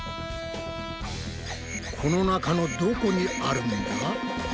この中のどこにあるんだ！？